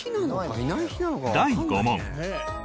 第５問。